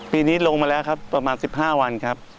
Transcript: ปีนี้ลงมาแล้วครับประมาณ๑๕วันครับ